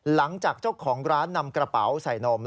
หลังจากเจ้าของร้านนำกระเป๋าใส่นม